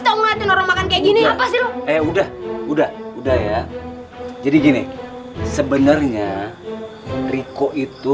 tau ngantin orang makan kayak gini apa sih udah udah udah ya jadi gini sebenarnya riko itu